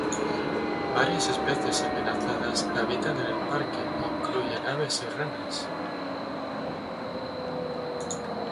Varias especies amenazadas habitan el parque que incluyen aves y ranas.